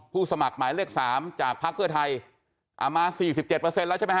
สมัครหมายเลข๓จากพักเพื่อไทยเอามา๔๗แล้วใช่ไหมฮ